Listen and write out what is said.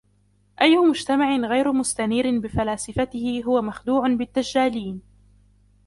أيُ مجتمع غير مستنيرٍ بفلاسفته هو مخدوعٌ بالدجالين.